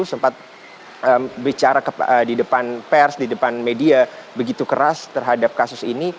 sempat bicara di depan pers di depan media begitu keras terhadap kasus ini